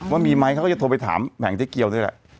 ว่ามีไหมเขาก็จะโทรไปถามแผงเจ๊เกียวนี่แหละ